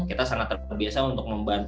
kita sangat terbiasa untuk membantu